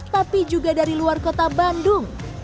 tapi juga dari luar kota bandung